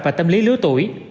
và tâm lý lứa tuổi